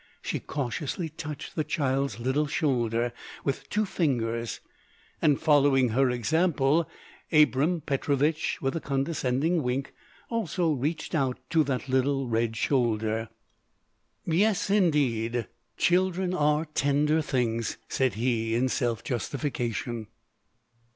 She cautiously touched the child's little shoulder with two fingers, and following her example, Abram Petrovich, with a condescending wink, also reached out to that little red shoulder. "Yes, indeed, children are tender things," said he in self justification.